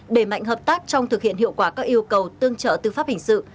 đẩy mạnh hợp tác trong thực hiện hiệu quả các yêu cầu tương trợ tư pháp hình sự